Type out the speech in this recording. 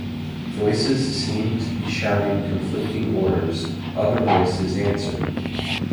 Voices seemed to be shouting conflicting orders, other voices answered.